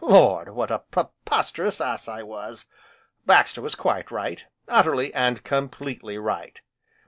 Lord! what a preposterous ass I was! Baxter was quite right, utterly, and completely right!